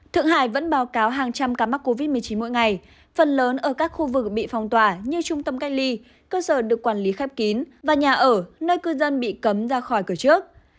thượng hải vẫn báo cáo hàng trăm ca mắc covid một mươi chín mỗi ngày phần lớn ở các khu vực bị phong tỏa như trung tâm cách ly cơ sở được quản lý khép kín và nhà ở nơi cư dân bị cấm ra khỏi cửa trước